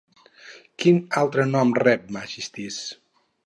Quin altre nom rep Megisties?